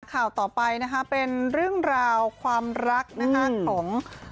ข่าวต่อไปนะคะเป็นเรื่องราวความรักนะคะของ